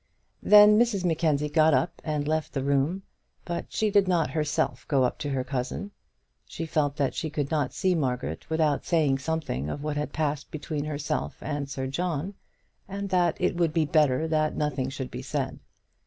Then Mrs Mackenzie got up and left the room, but she did not herself go up to her cousin. She felt that she could not see Margaret without saying something of what had passed between herself and Sir John, and that it would be better that nothing should be said.